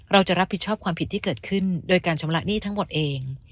เราจะรับผิดชอบความผิดที่เกิดขึ้นโดยการชำระหนี้ทั้งหมดเอง